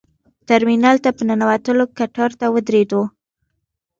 ترمینل ته په ننوتلو کتار ته ودرېدو.